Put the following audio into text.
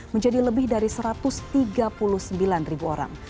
menjadi lebih dari satu ratus tiga puluh sembilan ribu orang